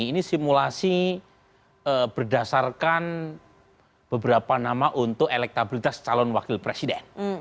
ini simulasi berdasarkan beberapa nama untuk elektabilitas calon wakil presiden